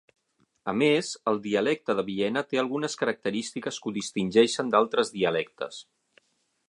A més, el dialecte de Viena té algunes característiques que ho distingeixen d'altres dialectes.